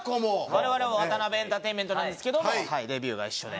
我々はワタナベエンターテインメントなんですけどもデビューが一緒で。